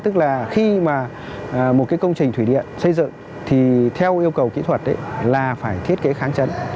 tức là khi mà một cái công trình thủy điện xây dựng thì theo yêu cầu kỹ thuật là phải thiết kế kháng chấn